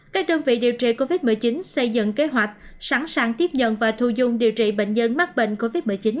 các đơn vị điều trị covid một mươi chín xây dựng kế hoạch sẵn sàng tiếp nhận và thu dung điều trị bệnh nhân mắc bệnh covid một mươi chín